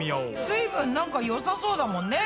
水分なんかよさそうだもんね